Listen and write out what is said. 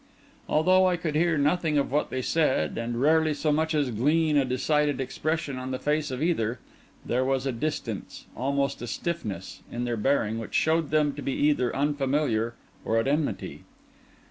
Although I could hear nothing of what they said, and rarely so much as glean a decided expression on the face of either, there was a distance, almost a stiffness, in their bearing which showed them to be either unfamiliar or at enmity.